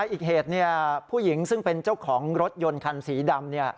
อีกเหตุผู้หญิงซึ่งเป็นเจ้าของรถยนต์คันสีดำ